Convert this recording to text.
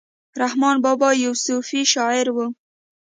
رحمان بابا يو صوفي شاعر وو.